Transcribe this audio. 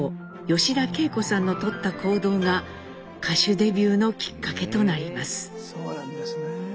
吉田惠子さんのとった行動が歌手デビューのきっかけとなります。